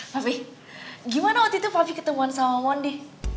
papi gimana waktu itu papi ketemuan sama mondi